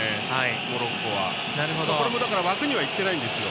モロッコはこれも枠にはいってないんですよ。